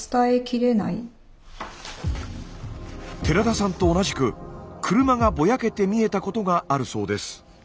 寺田さんと同じく車がぼやけて見えたことがあるそうです。